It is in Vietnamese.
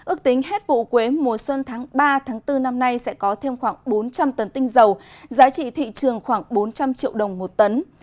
ước tính hết vụ quế mùa xuân tháng ba tháng bốn năm nay sẽ có thêm khoảng bốn trăm linh tấn tinh dầu giá trị thị trường khoảng bốn trăm linh triệu đồng một tấn